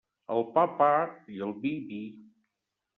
Al pa, pa, i al vi, vi.